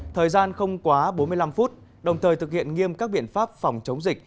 thời gian không quá bốn mươi năm phút đồng thời thực hiện nghiêm các biện pháp phòng chống dịch